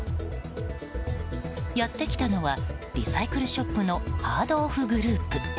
やってきたのはリサイクルショップのハードオフグループ。